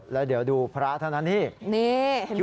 แล้วเดี๋ยวดูพระธนันที่